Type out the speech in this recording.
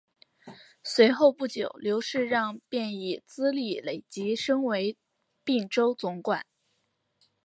随后不久刘世让便以资历累积升为并州总管。